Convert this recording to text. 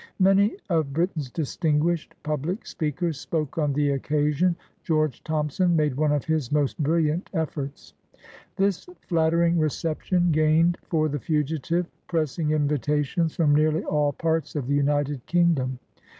Many of Britain's distinguished public speakers spoke on the occasion. George Thompson made one of his most brilliant efforts. This flattering reception gained for the fugitive pressing invitations from nearly all parts of the United Kingdom.